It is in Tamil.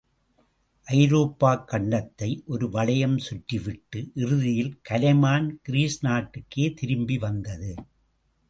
ஐரோப்பாக் கண்டத்தை ஒரு வளையம் சுற்றிவிட்டு, இறுதியில் கலைமான் கிரீஸ் நாட்டுக்கே திரும்பி வந்தது.